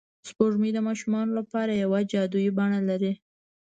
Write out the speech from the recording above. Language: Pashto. سپوږمۍ د ماشومانو لپاره یوه جادويي بڼه لري